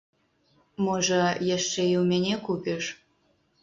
Можа, яшчэ і ў мяне купіш?